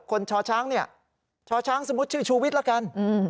ชอช้างเนี่ยชอช้างสมมุติชื่อชูวิทย์ละกัน